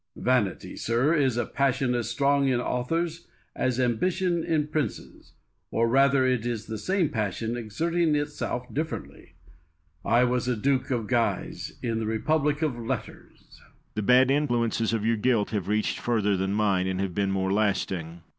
Vanity, sir, is a passion as strong in authors as ambition in princes, or rather it is the same passion exerting itself differently. I was a Duke of Guise in the republic of letters. Guise. The bad influences of your guilt have reached further than mine, and been more lasting.